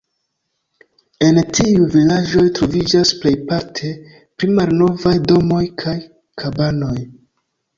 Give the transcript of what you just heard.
En tiuj vilaĝoj troviĝas plejparte pli malnovaj domoj kaj kabanoj.